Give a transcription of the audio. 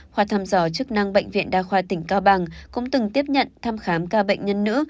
khoa thăm dò chức năng bệnh viện đa khoa tỉnh cao bằng cũng từng tiếp nhận thăm khám ca bệnh nhân nữ